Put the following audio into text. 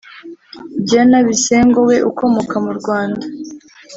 Diana Bisengo we ukomoka mu Rwanda